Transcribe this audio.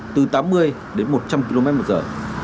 từ tám mươi đến một trăm linh km một giờ